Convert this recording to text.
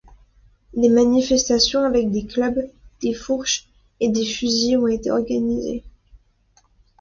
Des manifestations avec des clubs, des fourches et des fusils ont été organisées.